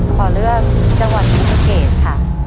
ขอเลือกจังหวัดศรีสะเกดค่ะ